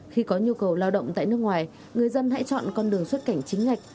khi có nhu cầu lao động tại nước ngoài người dân hãy chọn con đường xuất cảnh chính ngạch